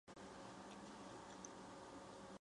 多亏孙膑说情留下。